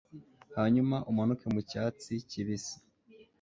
hanyuma umanuke mucyatsi kibisi